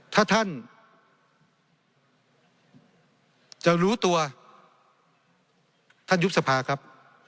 ถ้าท่านจะรู้ตัวท่านยุบสภาครับ